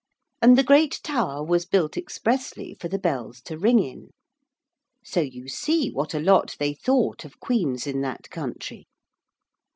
And the great tower was built expressly for the bells to ring in. So you see what a lot they thought of queens in that country.